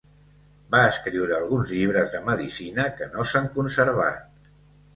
Va escriure alguns llibres de medicina que no s'han conservat.